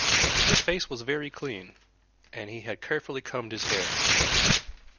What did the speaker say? His face was very clean, and he had carefully combed his hair